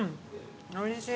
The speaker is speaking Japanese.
おいしい。